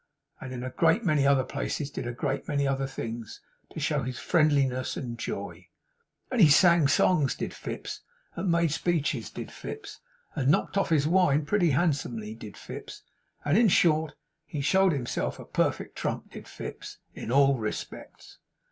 and in a great many other places did a great many other things to show his friendliness and joy. And he sang songs, did Fips; and made speeches, did Fips; and knocked off his wine pretty handsomely, did Fips; and in short, he showed himself a perfect Trump, did Fips, in all respects.